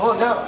oh oh udah